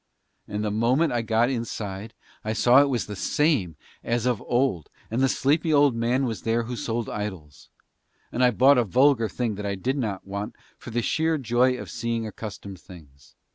And the moment I got inside I saw it was just the same as of old, and the sleepy old man was there who sold idols. And I bought a vulgar thing that I did not want, for the sheer joy of seeing accustomed things.